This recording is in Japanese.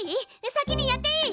先にやっていい？